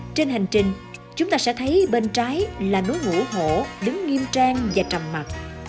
trên hành trình chúng ta sẽ thấy bên trái là núi ngủ hổ đứng nghiêm trang và trầm mặt